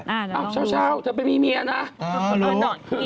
อ่าเฉาเธอเป็นมีเมียนะอ๋อรู้อ่ะนอนกุ้ม